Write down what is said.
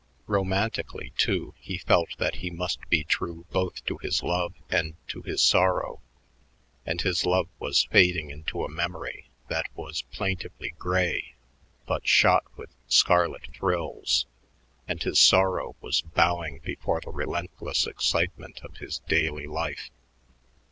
Romantically, too, he felt that he must be true both to his love and to his sorrow, and his love was fading into a memory that was plaintively gray but shot with scarlet thrills and his sorrow was bowing before the relentless excitement of his daily life.